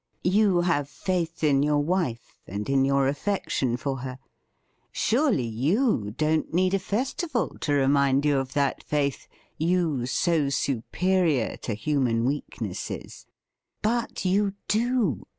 You have faith in your wife, and in your affection for her. Surely you don't need a festival to remind you of that faith, you so superior to human weaknesses? But you do!